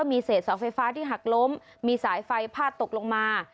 มีเศษเสาไฟฟ้าที่หักล้มมีสายไฟพาดตกลงมา